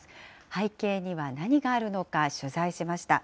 背景には何があるのか取材しました。